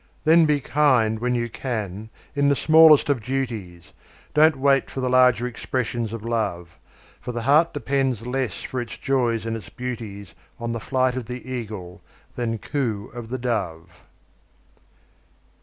Then be kind when you can in the smallest of duties, Don't wait for the larger expressions of Love; For the heart depends less for its joys and its beauties On the flight of the Eagle than coo of the Dove.